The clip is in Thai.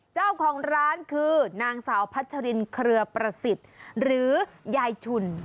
เจ้าของร้านคือนางสาวพัชรินเครือประสิทธิ์หรือยายชุน